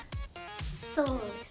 そうです。